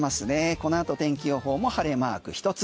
このあと天気予報も晴れマーク１つ。